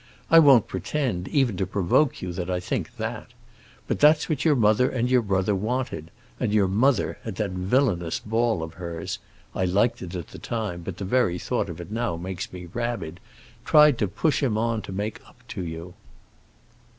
"I won't pretend, even to provoke you, that I think that. But that's what your mother and your brother wanted, and your mother, at that villainous ball of hers—I liked it at the time, but the very thought of it now makes me rabid—tried to push him on to make up to you."